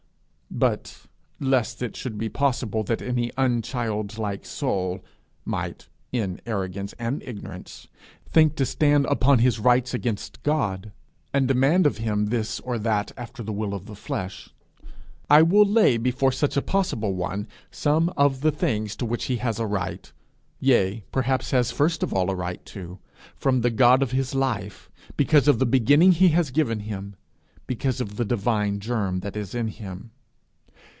But, lest it should be possible that any unchildlike soul might, in arrogance and ignorance, think to stand upon his rights against God, and demand of him this or that after the will of the flesh, I will lay before such a possible one some of the things to which he has a right, yea, perhaps has first of all a right to, from the God of his life, because of the beginning he has given him because of the divine germ that is in him.